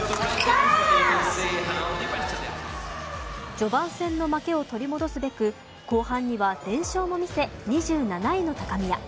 序盤戦の負けを取り戻すべく後半には連勝も見せ２７位の高宮。